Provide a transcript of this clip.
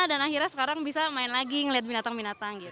dan akhirnya sekarang bisa main lagi ngeliat binatang binatang gitu